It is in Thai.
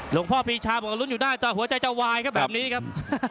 หลวงพ่อปีชาบอกว่าลุ้นอยู่หน้าจอหัวใจจะวายครับแบบนี้ครับ